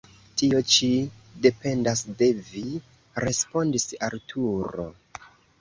Tio ĉi dependas de vi, respondis Arturo.